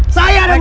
saya ada buktinya